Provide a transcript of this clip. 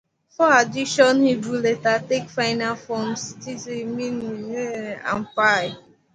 Four additional Hebrew letters take final forms: tsadi, mem, nun, and pei.